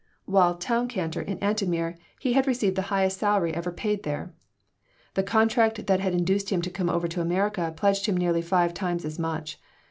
While "town cantor" in Antomir he had received the highest salary ever paid there. The contract that had induced him to come over to America pledged him nearly five times as much.